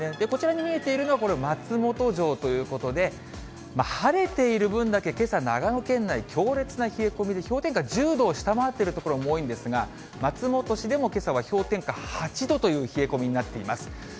こちらに見えているのは松本城ということで、晴れている分だけけさ、長野県内、強烈な冷え込みで、氷点下１０度を下回っている所も多いんですが、松本市でもけさは氷点下８度という冷え込みになっています。